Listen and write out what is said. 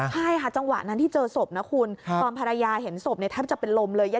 ใช่ค่ะจังหวะนั้นที่เจอศพนะคุณตอนภรรยาเห็นศพเนี่ยแทบจะเป็นลมเลย